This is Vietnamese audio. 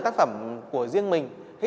tác phẩm của riêng mình